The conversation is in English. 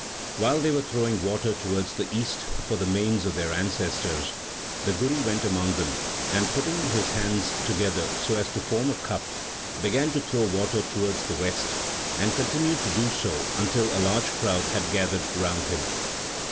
While they were throwing water towards the east for the manes of their ancestors, the Guru went among them, and, putting his hands together so as to form a cup, began to throw water towards the west, and continued to do so until a large crowd had gathered round him.